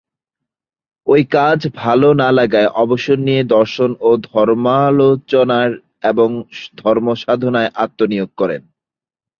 ওই কাজ ভালো না লাগায় অবসর নিয়ে দর্শন ও ধর্মালোচনায় এবং ধর্মসাধনায় আত্মনিয়োগ করেন।